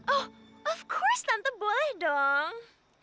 oh tentu saja tante boleh dong